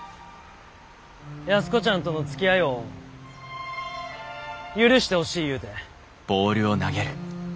安子ちゃんとのつきあいを許してほしいいうて。